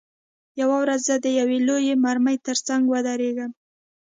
یوه ورځ زه د یوې لویې مرمۍ ترڅنګ ودرېدم